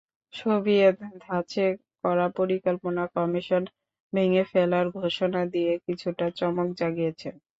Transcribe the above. Soviet ধাঁচে করা পরিকল্পনা কমিশন ভেঙে ফেলার ঘোষণা দিয়ে কিছুটা চমক জাগিয়েছেন।